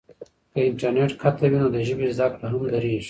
که انټرنیټ قطع وي نو د ژبې زده کړه هم درېږي.